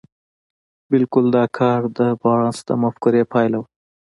بلکې دا کار د بارنس د مفکورې پايله وه.